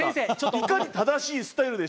いかに正しいスタイルで。